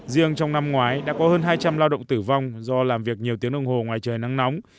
riêng trong năm ngoái đã có hơn hai trăm linh lao động tử vong do làm việc nhiều tiếng đồng hồ ngoài trời nắng nóng